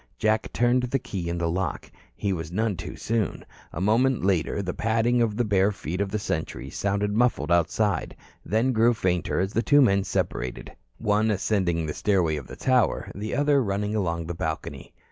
Jack turned the key in the lock. He was none too soon. A moment later the padding of the bare feet of the sentries sounded muffled outside, then grew fainter as the men separated, one ascending the stairway of the tower, the other running along the balcony.